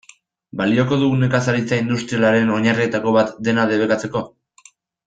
Balioko du nekazaritza industrialaren oinarrietako bat dena debekatzeko?